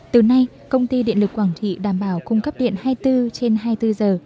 từ nay công ty điện lực quảng trị đảm bảo cung cấp điện hai mươi bốn trên hai mươi bốn giờ